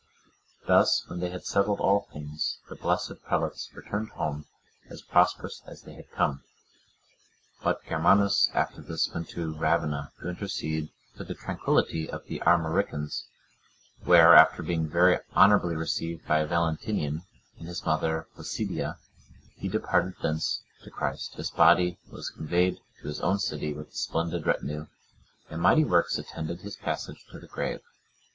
Thus when they had settled all things, the blessed prelates returned home as prosperously as they had come. But Germanus, after this, went to Ravenna to intercede for the tranquillity of the Armoricans,(101) where, after being very honourably received by Valentinian and his mother, Placidia, he departed hence to Christ; his body was conveyed to his own city with a splendid retinue, and mighty works attended his passage to the grave.